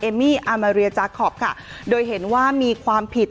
เอมมี่อาเมรียาจาคอปโดยเห็นว่ามีความผิด